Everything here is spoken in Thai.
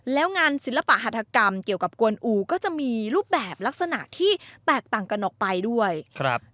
แล้วงานศิลปะหัฐกรรมเกี่ยวกับกวนอูก็จะมีรูปแบบลักษณะที่แตกต่างกันออกไปด้วยครับ